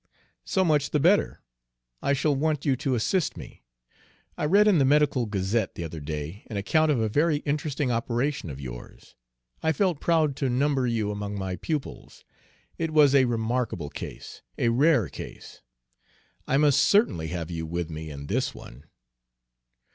"So much the better. I shall want you to assist me. I read in the Medical Gazette, the other day, an account of a very interesting operation of yours. I felt proud to number you among my pupils. It was a remarkable case a rare case. I must certainly have you with me in this one."